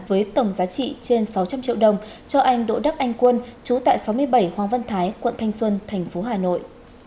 với tổng giá trị trên sáu trăm linh triệu đồng cho anh đỗ đắc anh quân chú tại sáu mươi bảy hoàng văn thái quận thanh xuân thành phố hà nội